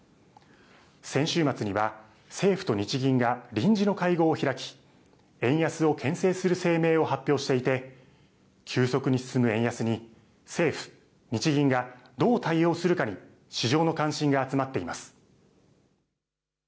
先週末には政府と日銀が臨時の会合を開き円安をけん制する声明を発表していて急速に進む円安に政府・日銀がどう対応するかに市場の関心が集まっています。